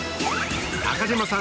中島さん